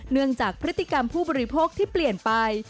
เนื่องจากพฤติกรรมผู้บริโภคที่เปลี่ยนไป